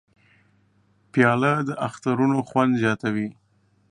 پیاله د اخترونو خوند زیاتوي.